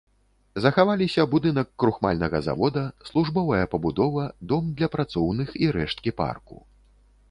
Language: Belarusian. Захаваліся будынак крухмальнага завода, службовая пабудова, дом для працоўных і рэшткі парку.